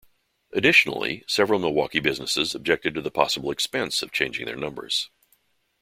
Additionally, several Milwaukee businesses objected to the possible expense of changing their numbers.